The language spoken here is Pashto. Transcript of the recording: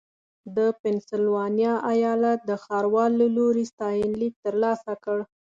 د پنسلوانیا ایالت د ښاروال له لوري ستاینلیک ترلاسه کړ.